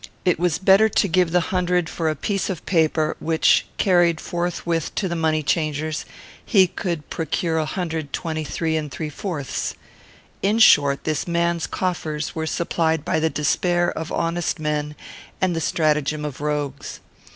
It was better to give the hundred for a piece of paper, which, carried forthwith to the money changers, he could procure a hundred twenty three and three fourths. In short, this man's coffers were supplied by the despair of honest men and the stratagems of rogues.